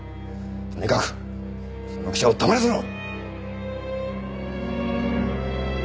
とにかくその記者を黙らせろ！